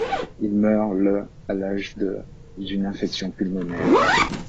Il meurt le à l’âge de d’une infection pulmonaire.